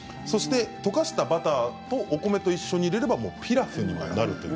そして溶かしたバターとお米と一緒に入れればピラフになる。